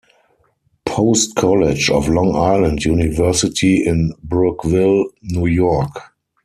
Post College of Long Island University in Brookville, New York.